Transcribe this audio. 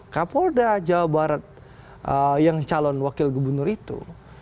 kapolda jawa barat yang calon wakil gubernur itu